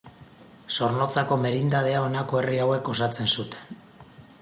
Zornotzako merindadea honako herri hauek osatzen zuten.